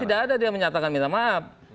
tidak ada dia menyatakan minta maaf